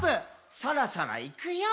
「そろそろいくよー」